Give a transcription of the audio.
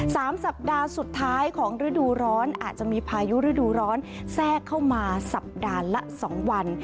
สัปดาห์สุดท้ายของฤดูร้อนอาจจะมีพายุฤดูร้อนแทรกเข้ามาสัปดาห์ละสองวัน